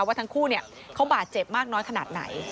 ว่าทั้งคู่เขาบาดเจ็บมากน้อยขนาดไหน